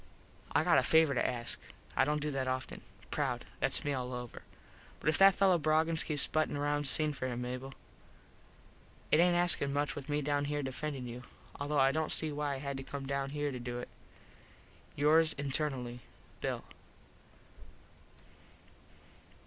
I got a favor to ask. I dont do that offen. Proud. Thats me all over. But if that fello Broggins keeps buttin round sing for him Mable. It aint askin much with me down here defendin you. Although I dont see why I had to come down here to do it. Yours internally, _Bill.